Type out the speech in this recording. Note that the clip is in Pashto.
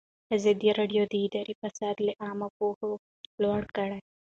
ازادي راډیو د اداري فساد لپاره عامه پوهاوي لوړ کړی.